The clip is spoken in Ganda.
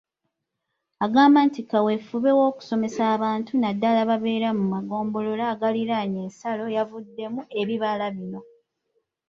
Agamba nti kaweefube w'okusomesa abantu naddala ababeera mu magombolola agaliranye ensalo yaavuddemu ebibala bino.